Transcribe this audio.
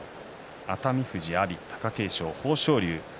熱海富士、阿炎、貴景勝、豊昇龍